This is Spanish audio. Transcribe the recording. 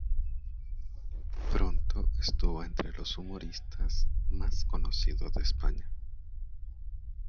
Pronto estuvo entre los humoristas más conocidos de España.